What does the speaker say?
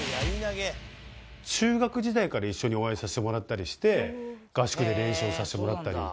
中学時代から一緒にお会いさせてもらったりして合宿で練習をさせてもらったり。